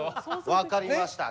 分かりました。